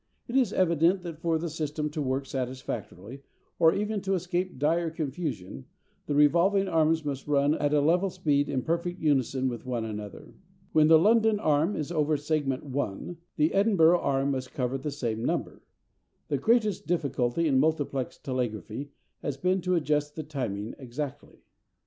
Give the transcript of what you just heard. It is evident that for the system to work satisfactorily, or even to escape dire confusion, the revolving arms must run at a level speed in perfect unison with one another. When the London arm is over segment 1, the Edinburgh arm must cover the same number. The greatest difficulty in multiplex telegraphy has been to adjust the timing exactly.